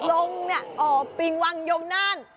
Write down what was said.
ร่องแบบอ่อปริงวังยมนาท